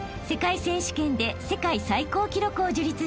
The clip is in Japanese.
［世界選手権で世界最高記録を樹立した］